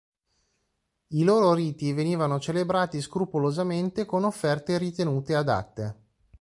I loro riti venivano celebrati scrupolosamente con offerte ritenute adatte.